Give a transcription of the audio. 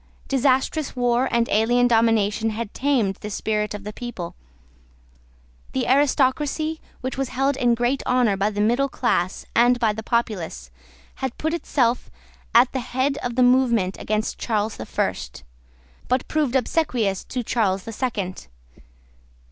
Disastrous war and alien domination had tamed the spirit of the people. The aristocracy, which was held in great honour by the middle class and by the populace, had put itself at the head of the movement against Charles the First, but proved obsequious to Charles the Second.